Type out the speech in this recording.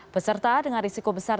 peserta dengan risiko besar